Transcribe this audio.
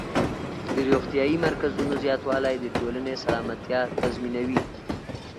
د روغتیايي مرکزونو زیاتوالی د ټولنې سلامتیا تضمینوي.